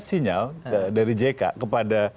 sinyal dari jk kepada